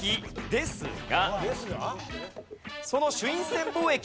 「ですが」？